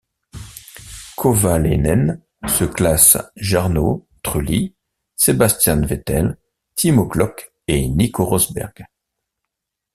Kovalainen se classe Jarno Trulli, Sebastian Vettel, Timo Glock et Nico Rosberg.